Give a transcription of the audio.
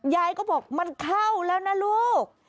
ยายก็บอกมันเข้าแล้วนะลูก